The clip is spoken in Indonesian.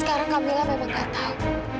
sekarang kak mila memang gak tahu